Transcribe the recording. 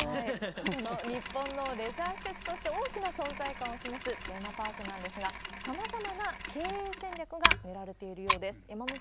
この日本のレジャー施設として、大きな存在感を示すテーマパークなんですが、さまざまな経営戦略が練られているようです。